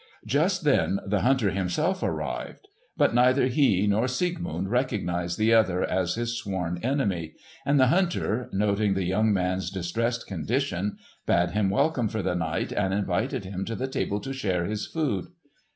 Just then the hunter himself arrived; but neither he nor Siegmund recognised the other as his sworn enemy; and the hunter noting the young man's distressed condition bade him welcome for the night and invited him to the table to share his food.